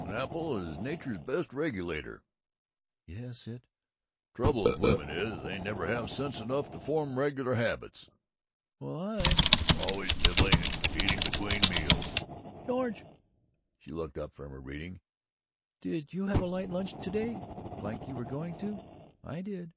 "An apple is Nature's best regulator." "Yes, it " "Trouble with women is, they never have sense enough to form regular habits." "Well, I " "Always nibbling and eating between meals." "George!" She looked up from her reading. "Did you have a light lunch to day, like you were going to? I did!"